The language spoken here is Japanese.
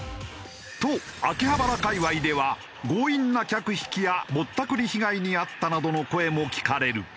と秋葉原界隈では強引な客引きやぼったくり被害に遭ったなどの声も聞かれる。